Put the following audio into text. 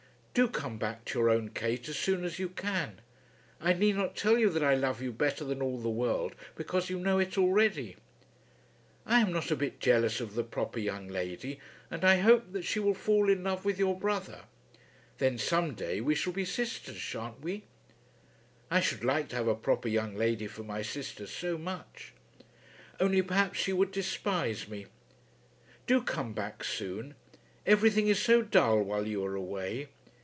Do come back to your own Kate as soon as you can. I need not tell you that I love you better than all the world because you know it already. I am not a bit jealous of the proper young lady, and I hope that she will fall in love with your brother. Then some day we shall be sisters; shan't we? I should like to have a proper young lady for my sister so much. Only, perhaps she would despise me. Do come back soon. Everything is so dull while you are away!